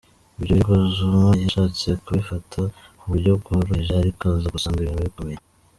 Ibyo birego Zuma yashatse kubifata ku buryo bworoheje ariko aza gusanga ibintu bikomeye.